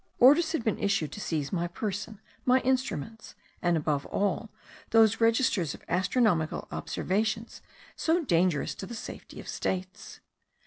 Orders had been issued to seize my person, my instruments, and, above all, those registers of astronomical observations, so dangerous to the safety of states.